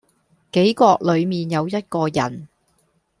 杞國裏面有一個人